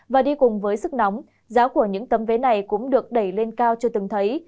và đi cùng với sức nóng giáo của những tấm vế này cũng được đẩy lên cao cho từng thấy